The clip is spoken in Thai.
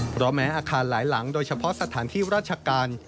เพราะแม้อาคารหลายหลังโดยเฉพาะสถานที่ราชการ